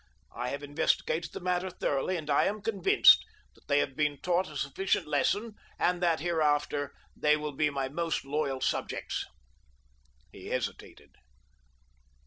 I have investigated the matter thoroughly and I am convinced that they have been taught a sufficient lesson and that hereafter they will be my most loyal subjects." He hesitated.